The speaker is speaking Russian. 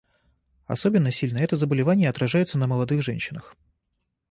Особенно сильно это заболевание отражается на молодых женщинах.